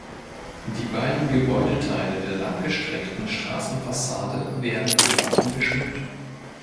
Die beiden Gebäudeteile der langgestreckten Straßenfassade werden durch Wappen geschmückt.